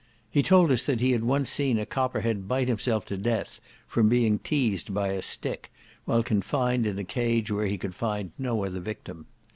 He told us that he had once seen a copper head bite himself to death, from being teazed by a stick, while confined in a cage where he could find no other victim.